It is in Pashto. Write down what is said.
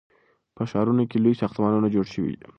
په ښارونو کې لوی ساختمانونه جوړ شوي دي.